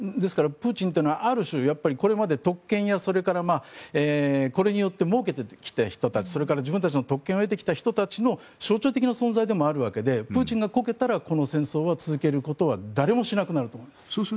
プーチンというのはある種これまで特権とかこれによってもうけてきた人たちそれから自分たちの特権を得てきた人たちの象徴的な存在でもあるわけでプーチンがこけたらこの戦争を続けることは誰もしなくなると思います。